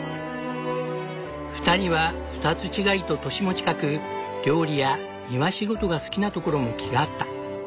２人は２つ違いと年も近く料理や庭仕事が好きなところも気が合った。